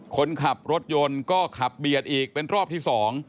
คนขับรถยนต์ก็ขับเบียดอีกเป็นรอบที่๒